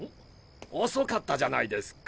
遅かったじゃないですか。